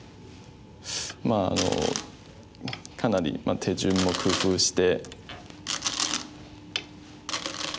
まあかなり手順を工夫して。